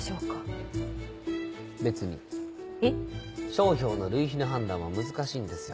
商標の類否の判断は難しいんですよ。